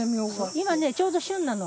今ねちょうど旬なの。